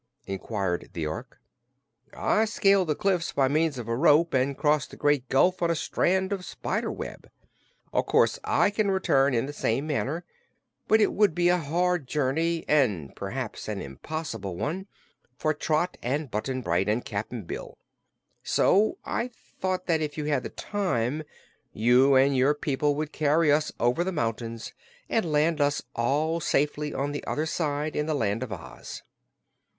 inquired the Ork. "I scaled the cliffs by means of a rope, and crossed the Great Gulf on a strand of spider web. Of course I can return in the same manner, but it would be a hard journey and perhaps an impossible one for Trot and Button Bright and Cap'n Bill. So I thought that if you had the time you and your people would carry us over the mountains and land us all safely on the other side, in the Land of Oz."